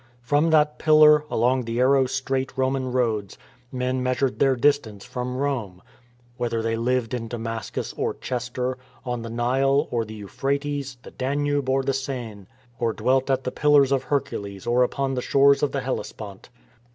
From that pillar, along the arrow straight Roman roads, men measured their distance from Rome, whether they lived in Damascus or Chester, on the Nile, or the Euphrates, the Danube or the Seine; or dwelt at the Pillars of Hercules or upon the shores of the Hellespont.